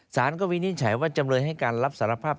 สารก็วินิจฉัยว่าจำเลยให้การรับสารภาพ